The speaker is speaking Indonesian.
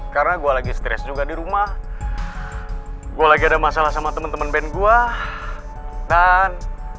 karena gua lagi stres juga di rumah gua lagi ada masalah sama temen temen band gua dan